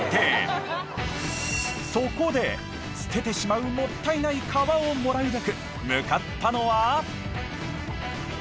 そこで捨ててしまうもったいない革をもらうべく向かったのは。